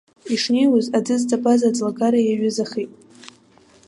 Ишнеиуаз, аӡы зҵабаз аӡлагара иааҩызахеит.